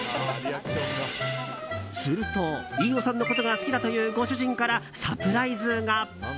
すると、飯尾さんのことが好きだというご主人からサプライズが。